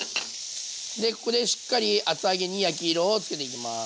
でここでしっかり厚揚げに焼き色をつけていきます。